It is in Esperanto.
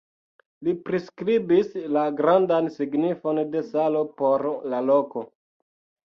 Li priskribis la grandan signifon de salo por la loko.